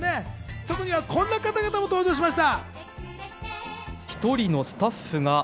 そこにはこんな方々も登場しました。